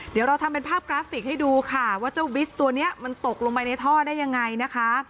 เดี๋ยวเราทำเป็นภาพกราฟิกให้ดูค่ะว่าเจ้าบิสตัวนี้มันตกลงไปในท่อได้ยังไงนะคะ